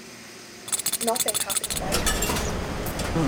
Nothing happens by chance.